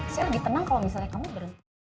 saya lagi tenang kalo misalnya kamu berat